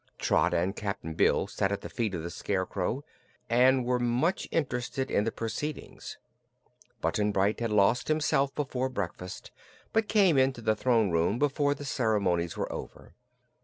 Trot and Cap'n Bill sat at the feet of the Scarecrow and were much interested in the proceedings. Button Bright had lost himself before breakfast, but came into the throne room before the ceremonies were over.